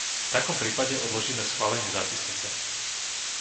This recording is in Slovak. V takom prípade odložíme schválenie zápisnice.